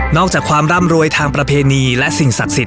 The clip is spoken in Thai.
นอกจากความร่ำรวยทางประเพณียิ่งใหญ่และสิ่งศักดิ์สิทธิ์